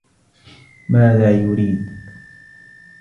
ماذا يريد ؟